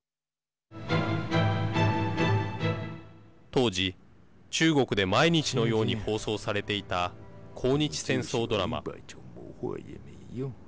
当時、中国で毎日のように放送されていた抗日戦争ドラマ。